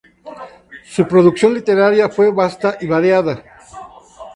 Su producción literaria fue vasta y variada.